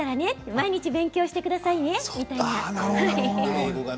毎日勉強してくださいね、みたいな。